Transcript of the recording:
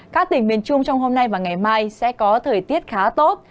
các tỉnh miền trung trong hôm nay và ngày mai sẽ có thời tiết khá tốt